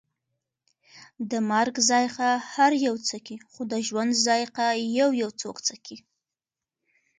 د مرګ ذائقه هر یو څکي، خو د ژوند ذائقه یویو څوک څکي